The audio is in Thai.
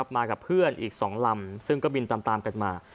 มากับเพื่อนอีก๒ลำซึ่งก็บินตามกันมา